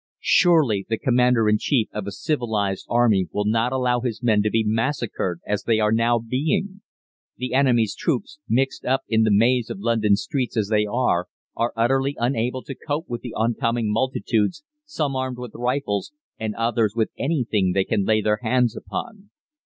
Surely the Commander in Chief of a civilised army will not allow his men to be massacred as they are now being! The enemy's troops, mixed up in the maze of London streets as they are, are utterly unable to cope with the oncoming multitudes, some armed with rifles, and others with anything they can lay their hands upon.